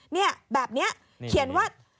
เนี่ยแบบนี้เขียนว่า